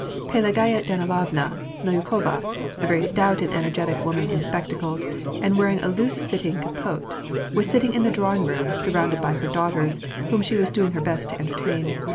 Pelaoata Dantlovna Melyukova, a very stout and ener getic woman in spectacles, and wearing a loose flowing capote, was sitting in the drawing room, surrounded by her daughters, whom she was doing her best to entertain.